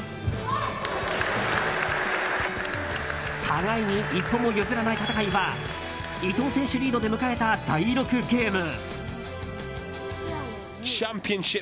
互いに一歩も譲らない戦いは伊藤選手リードで迎えた第６ゲーム。